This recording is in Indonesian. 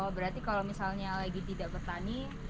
oh berarti kalau misalnya lagi tidak bertani